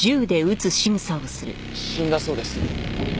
死んだそうです。